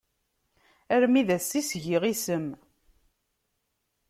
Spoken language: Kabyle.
Armi d ass-a i s-giɣ isem.